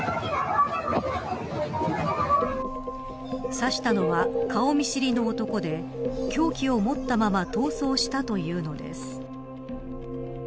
刺したのは顔見知りの男で凶器を持ったまま逃走したというのです。